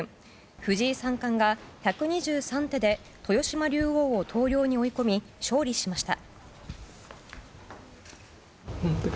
藤井三冠が１２３手で豊島竜王を投了に追い込み勝利しました。